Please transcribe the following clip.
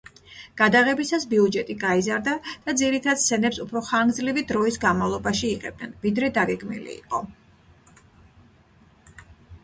გადაღებისას ბიუჯეტი გაიზარდა და ძირითად სცენებს უფრო ხანგრძლივი დროის განმავლობაში იღებდნენ, ვიდრე დაგეგმილი იყო.